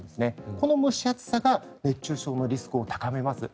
この蒸し暑さが熱中症のリスクを高めます。